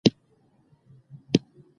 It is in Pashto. د ولایتونو د اړتیاوو لپاره ځینې اقدامات کېږي.